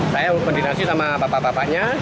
saya koordinasi sama bapak bapaknya